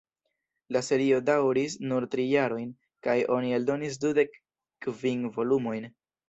La serio daŭris nur tri jarojn kaj oni eldonis dudek kvin volumojn.